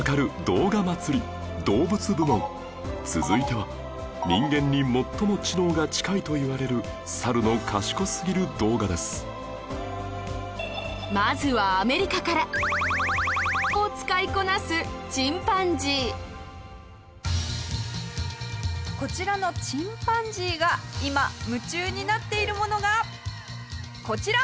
動画祭り』動物部門続いては人間に最も知能が近いといわれるサルの賢すぎる動画ですまずは、アメリカからを使いこなすチンパンジー下平：こちらのチンパンジーが今、夢中になっているものがこちら！